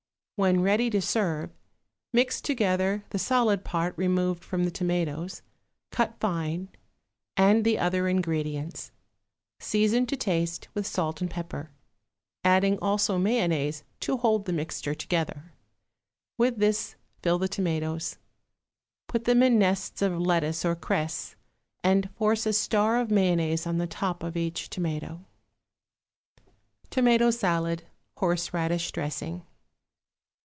When ready to serve, mix together the solid part removed from the tomatoes, cut fine, and the other ingredients; season to taste with salt and pepper, adding also mayonnaise to hold the mixture together. With this fill the tomatoes, put them in nests of lettuce or cress, and force a star of mayonnaise on the top of each tomato. =Tomato Salad, Horseradish Dressing.